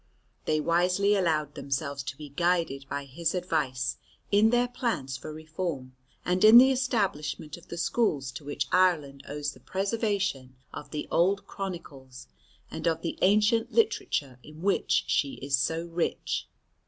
They wisely allowed themselves to be guided by his advice in their plans for reform, and in the establishment of the schools to which Ireland owes the preservation of the old chronicles and of the ancient literature in which she is so rich.